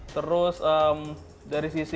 terus dari sisi